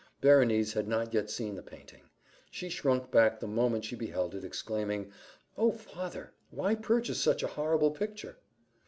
Berenice had not yet seen the painting: she shrunk back the moment she beheld it, exclaiming, "Oh, father! Why purchase such a horrible picture?"